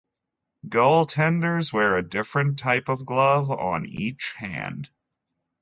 Goaltenders wear a different type of glove on each hand.